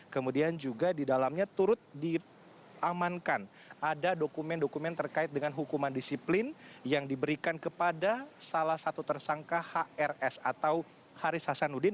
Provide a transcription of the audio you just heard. kemudian juga di dalamnya turut diamankan ada dokumen dokumen terkait dengan hukuman disiplin yang diberikan kepada salah satu tersangka hrs atau haris hasanuddin